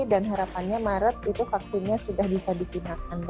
dan harapannya maret itu vaksinnya sudah bisa digunakan